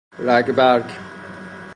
رگبرگ